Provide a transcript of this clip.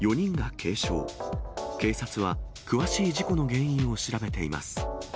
警察は詳しい事故の原因を調べています。